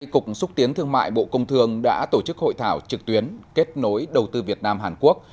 cục xúc tiến thương mại bộ công thương đã tổ chức hội thảo trực tuyến kết nối đầu tư việt nam hàn quốc